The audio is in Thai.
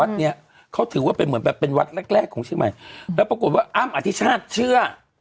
เนี้ยเขาถือว่าเป็นเหมือนแบบเป็นวัดแรกแรกของเชียงใหม่แล้วปรากฏว่าอ้ำอธิชาติเชื่อ